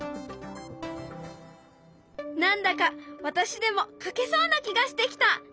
何だか私でも描けそうな気がしてきた。